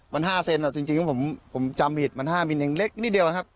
มัน๕เซนจริงผมจำผิดมัน๕มิลยังเล็กนิดเดียวนะครับ